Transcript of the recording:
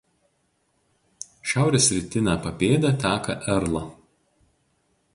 Šiaurės rytine papėde teka Erla.